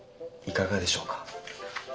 いかがでしょうか？